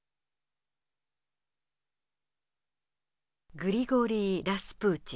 グリゴリー・ラスプーチン。